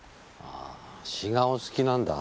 あぁ詩がお好きなんだ。